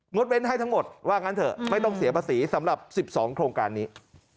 เว้นให้ทั้งหมดว่างั้นเถอะไม่ต้องเสียภาษีสำหรับ๑๒โครงการนี้